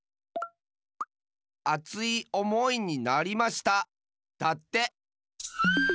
「あついおもいになりました」だって！